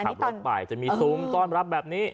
ขับรถไปจะมีซุ้มต้อนรับแบบนี้